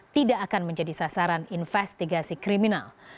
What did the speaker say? tidak akan menjadi sasaran investigasi kriminal